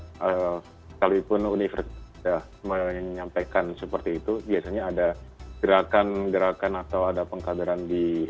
sekalipun universitas menyampaikan seperti itu biasanya ada gerakan atau ada pengkabaran di